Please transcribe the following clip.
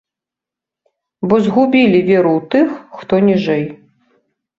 Бо згубілі веру ў тых, хто ніжэй.